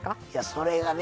それがね